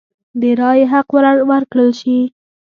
د رایې حق ورکړل شي.